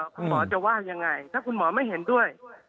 คุณหมอจะว่ายังไงถ้าคุณหมอไม่เห็นด้วย